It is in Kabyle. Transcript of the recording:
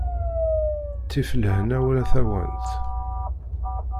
Ttif lehna wala tawant.